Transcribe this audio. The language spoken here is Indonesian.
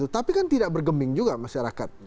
tapi kan tidak bergeming juga masyarakat